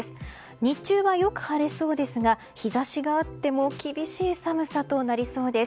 日中はよく晴れそうですが日差しがあっても厳しい寒さとなりそうです。